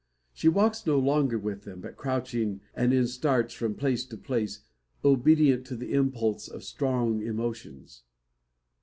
She walks no longer with them, but crouching, and in starts, from place to place, obedient to the impulse of strong emotions.